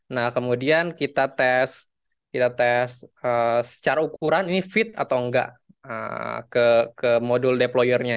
nah kemudian kita tes secara ukuran ini fit atau enggak ke modul deployernya